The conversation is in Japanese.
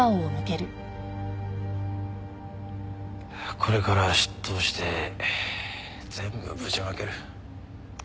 これから出頭して全部ぶちまける。